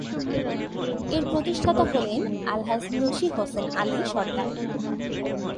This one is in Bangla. এর প্রতিষ্ঠাতা হলেন আলহাজ্ব মুন্সি হোসেন আলী সরদার।